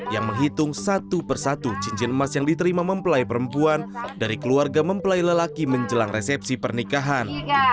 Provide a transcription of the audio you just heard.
yang menghitung satu persatu cincin emas yang diterima mempelai perempuan dari keluarga mempelai lelaki menjelang resepsi pernikahan